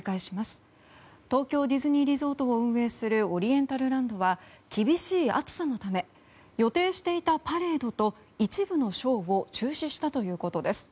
東京ディズニーリゾートを運営するオリエンタルランドは厳しい暑さのため予定していたパレードと一部のショーを中止したということです。